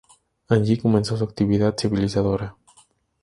Allí comenzó su actividad civilizadora.